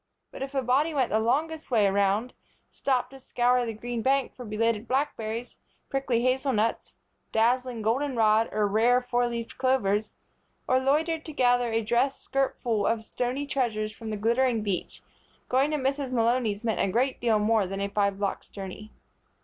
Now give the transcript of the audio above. But if a body went the longest way round, stopped to scour the green bank for belated blackberries, prickly hazelnuts, dazzling golden rod or rare four leaved clovers; or loitered to gather a dress skirtful of stony treasures from the glittering beach, going to Mrs. Malony's meant a great deal more than a five blocks' journey.